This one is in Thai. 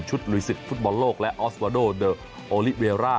ชุดหลุยศึกฟุตบอลโลกและออสวาโดโดโอลิเวรา